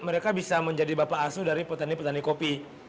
mereka bisa menjadi bapak asuh dari petani petani kopi